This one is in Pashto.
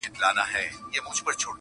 چي عطار هر څه شکري ورکولې-